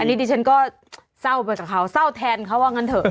อันนี้ที่ฉันก็เศร้าเหมือนกับเขาเศร้าแทนเขาว่างั้นเถอะ